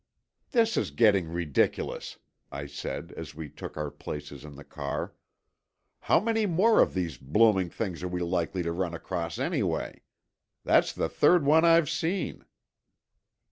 "This is getting ridiculous," I said, as we took our places in the car. "How many more of these blooming things are we likely to run across anyway? That's the third one I've seen."